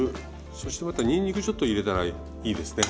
そしてまたにんにくちょっと入れたらいいですね。